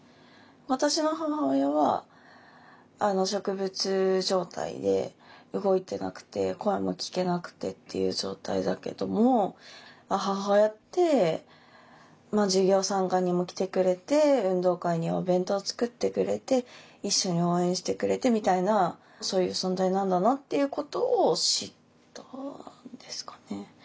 私の母親は植物状態で動いてなくて声も聞けなくてっていう状態だけども母親って授業参観にも来てくれて運動会にお弁当作ってくれて一緒に応援してくれてみたいなそういう存在なんだなっていうことを知ったんですかね。